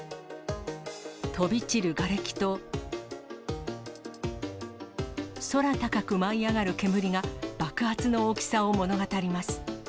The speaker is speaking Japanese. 飛び散るがれきと、空高く舞い上がる煙が、爆発の大きさを物語ります。